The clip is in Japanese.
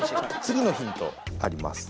次のヒントあります。